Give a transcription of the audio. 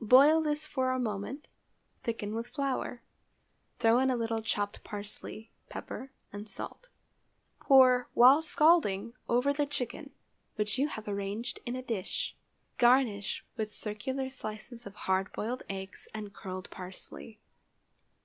Boil this for a moment, thicken with flour, throw in a little chopped parsley, pepper, and salt; pour, while scalding, over the chicken, which you have arranged in a dish; garnish with circular slices of hard boiled eggs and curled parsley.